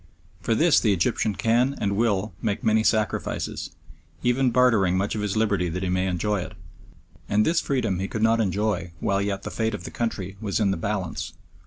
For this the Egyptian can and will make many sacrifices, even bartering much of his liberty that he may enjoy it. And this freedom he could not enjoy while yet the fate of the country was in the balance.